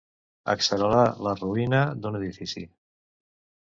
Accelerar la ruïna d'un edifici.